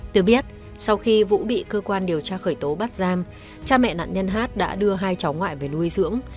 được biết sau khi vũ bị cơ quan điều tra khởi tố bắt giam cha mẹ nạn nhân hát đã đưa hai cháu ngoại về nuôi dưỡng